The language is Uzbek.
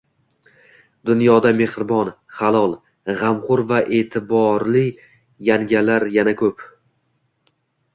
dunyoda mehribon, halol, g‘amxo‘r va e’tiborli yanagalar ham ko‘p.